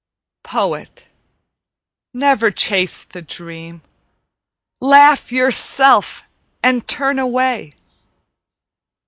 Poet, never chase the dream. Laugh yourself and turn away.